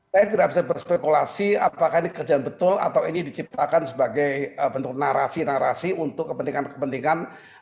saya tidak bisa berspekulasi apakah ini kerjaan betul atau ini diciptakan sebagai bentuk narasi narasi untuk kepentingan kepentingan